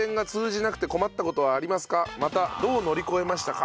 またどう乗り越えましたか？